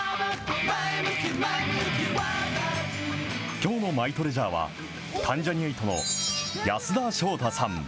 きょうのマイトレジャーは、関ジャニ∞の安田章大さん。